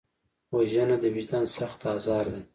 وژنه د وجدان سخت ازار دی